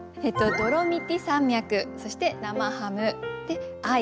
「ドロミティ山脈」そして「生ハム」「愛」